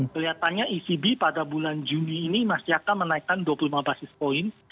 kelihatannya ecb pada bulan juni ini masih akan menaikkan dua puluh lima basis point